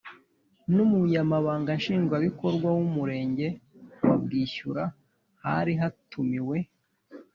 n’umunyamabanga nshingwabikorwa w’umurenge wa bwishyura. hari hatumiwe